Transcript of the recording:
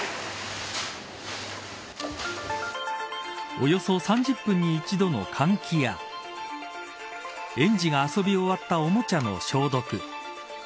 およそ３０分に１度の換気や園児が遊び終わったおもちゃの消毒。